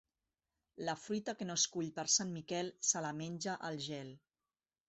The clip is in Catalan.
La fruita que no es cull per Sant Miquel se la menja el gel.